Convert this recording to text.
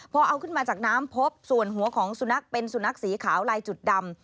พอเอาขึ้นมาจากน้ำพบส่วนหัวของสุนัขเป็นสุนัขสีขาวลายจุดดำ